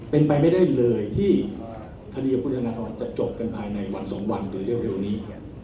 เป็นไปไม่ได้เลยที่คดีของคุณธนทรจะจบกันภายในวันสองวันโดยเร็วนี้